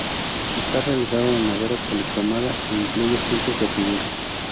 Está realizado en madera policromada e incluye cientos de figuras.